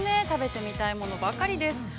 食べてみたいものばかりです。